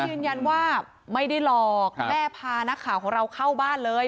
ยืนยันว่าไม่ได้หลอกแม่พานักข่าวของเราเข้าบ้านเลย